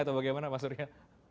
atau bagaimana pak surya